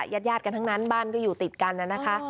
ญาติกันทั้งนั้นบ้านก็อยู่ติดกันนะคะ